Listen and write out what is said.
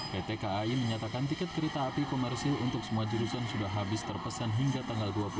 pt kai menyatakan tiket kereta api komersil untuk semua jurusan sudah habis terpesan hingga tanggal dua puluh